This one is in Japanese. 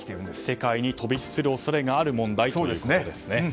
世界に飛び火する恐れがある問題ということですね。